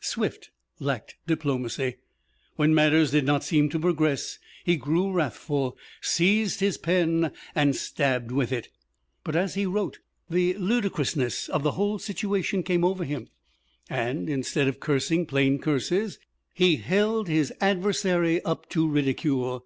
Swift lacked diplomacy. When matters did not seem to progress he grew wrathful, seized his pen and stabbed with it. But as he wrote, the ludicrousness of the whole situation came over him and, instead of cursing plain curses, he held his adversary up to ridicule!